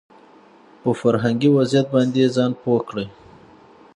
په فرهنګي وضعيت باندې ځان پوه کړي